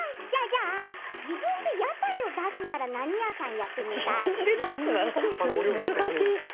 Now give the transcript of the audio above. じゃあ自分で屋台を出すなら何屋さんをやってみたい？